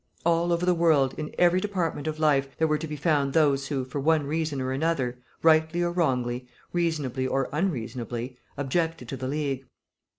All over the world, in every department of life, there were to be found those who, for one reason or another, rightly or wrongly, reasonably or unreasonably, objected to the League.